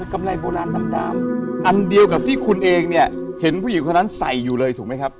กำไรโบราณดำอันเดียวกับที่คุณเองเนี่ยเห็นผู้หญิงคนนั้นใส่อยู่เลยถูกไหมครับ